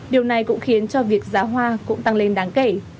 điều này cũng khiến cho việc giá hoa cũng tăng lên đáng kể